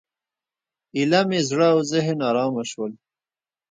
ایله مې زړه او ذهن ارامه شول.